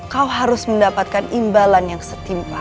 kau harus mendapatkan imbalan yang setimpa